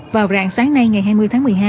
vào rạng sáng nay ngày hai mươi tháng một mươi hai